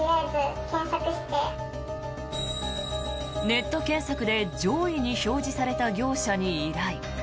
ネット検索で上位に表示された業者に依頼。